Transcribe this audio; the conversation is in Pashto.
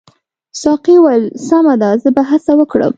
ساقي وویل سمه ده زه به هڅه وکړم.